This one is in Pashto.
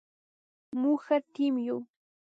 موږ ښه ټیم یو